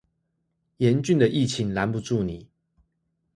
嚴峻的疫情攔不住你